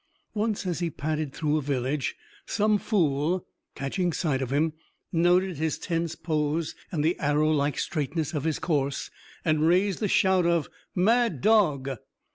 Once, as he padded through a village, some fool, catching sight of him, noted his tense pose and the arrow like straightness of his course and raised the shout of "Mad dog!"